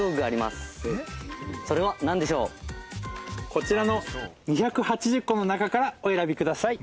こちらの２８０個の中からお選びください。